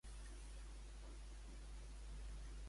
Per a què s'anaven a usar?